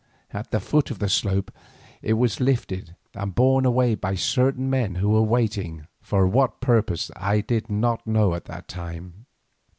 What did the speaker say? At the foot of the slope it was lifted and borne away by certain men who were waiting, for what purpose I did not know at that time.